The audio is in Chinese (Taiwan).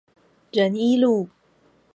仁一路